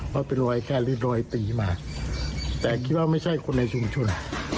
เพราะเป็นรอยแค่หรือรอยตีมาแต่คิดว่าไม่ใช่คนในชุมชน